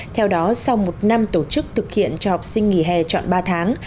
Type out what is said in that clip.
theo đó sau một năm tổ chức thực hiện cho học sinh nghỉ hè chọn ba tháng